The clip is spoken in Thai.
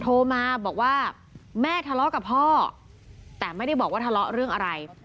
โทรมาบอกว่าแม่ทะเลาะกับพ่อแต่ไม่ได้บอกว่าทะเลาะเรื่องอะไร